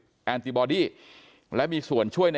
ก็คือเป็นการสร้างภูมิต้านทานหมู่ทั่วโลกด้วยค่ะ